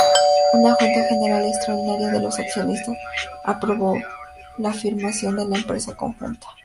Una junta general extraordinaria de los accionistas aprobó la formación de la empresa conjunta.